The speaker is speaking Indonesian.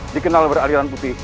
dikenal beraliran putih